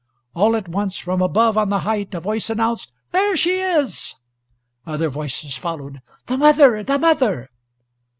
All at once, from above on the height, a voice announced, "There she is." Other voices followed: "The mother! The mother!"